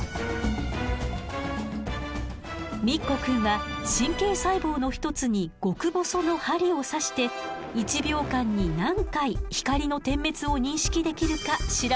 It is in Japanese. ミッコくんは神経細胞の一つに極細の針を刺して１秒間に何回光の点滅を認識できるか調べたのよ。